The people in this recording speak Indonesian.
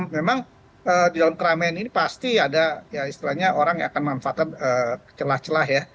memang di dalam keramaian ini pasti ada ya istilahnya orang yang akan memanfaatkan celah celah ya